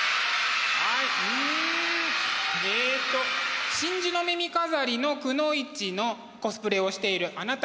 えっと「真珠の耳飾りのくノ一」のコスプレをしているあなた。